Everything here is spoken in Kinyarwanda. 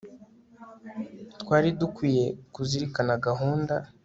twari dukwiye kuzirikana gahunda